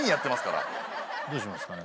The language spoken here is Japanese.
どうしますかね。